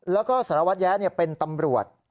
แล้วก็สารวัตรแย้เป็นตำรวจ